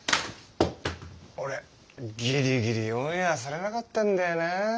俺ギリギリオンエアされなかったんだよな。